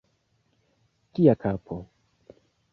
Kia kapo!